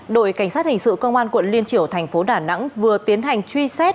đội cảnh sát hình sự công an quận liên triểu thành phố đà nẵng vừa tiến hành truy xét